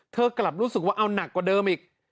เธอกลับรู้สึกว่าเอาหนักกว่าเดิมอีก